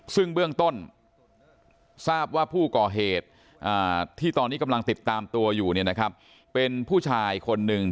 ซึ่งเบื้องต้นทราบว่าผู้ก่อเหตุที่ตอนนี้กำลังติดตามตัวอยู่เป็นผู้ชายคนหนึ่ง